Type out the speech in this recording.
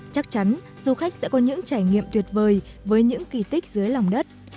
chắc chắn du khách sẽ có những trải nghiệm tuyệt vời với những kỳ tích dưới lòng đất